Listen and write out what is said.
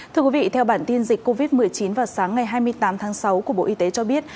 thưa quý vị theo bản tin dịch covid một mươi chín vào sáng ngày hai mươi tám tháng sáu của bộ y tế cho biết